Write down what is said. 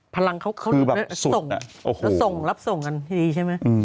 พลังเขาส่งแล้วส่งรับส่งกันทีใช่ไหม